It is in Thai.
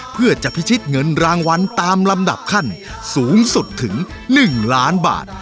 เพื่อจะพิชิตเงินรางวัลตามลำดับขั้นสูงสุดถึง๑ล้านบาท